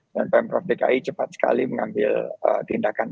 dan pemprov dki cepat sekali mengambil tindakan